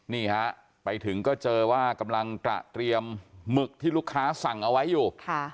นี่ฮะไปถึงก็เจอว่ากำลังตระเตรียมหมึกที่ลูกค้าสั่งเอาไว้อยู่